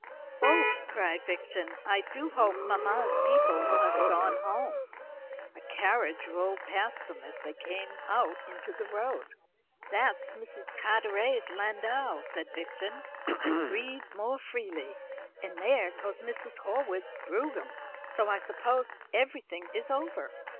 "Oh," cried Vixen, "I do hope mamma's people will have gone home." A carriage rolled past them as they came out into the road. "That's Mrs. Carteret's landau," said Vixen. "I breathe more freely. And there goes Mrs. Horwood's brougham; so I suppose everything is over.